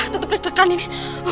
tetap diketekan ini